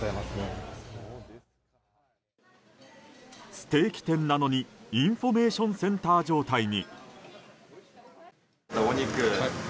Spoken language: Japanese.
ステーキ店なのにインフォメーションセンター状態に。